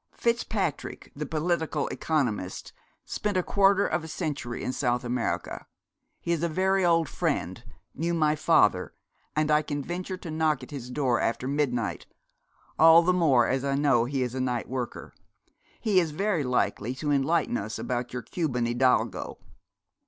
Fitzpatrick, the political economist, spent a quarter of a century in South America. He is a very old friend knew my father and I can venture to knock at his door after midnight all the more as I know he is a night worker. He is very likely to enlighten us about your Cuban hidalgo.'